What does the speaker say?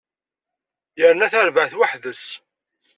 Yerna tarbaɛt weḥd-s.